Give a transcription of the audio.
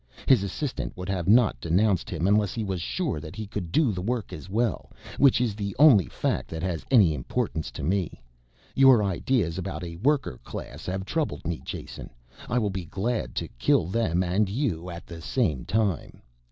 His assistant would have not denounced him unless he was sure that he could do the work as well, which is the only fact that has any importance to me. Your ideas about a worker class have troubled me Jason. I will be glad to kill them and you at the same time.